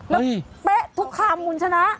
แล้วเป๊ะทุกคำคุณชนะ